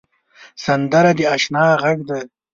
سندره د اشنا غږ دی